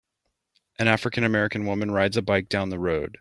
An AfricanAmerican woman rides a bike down the road.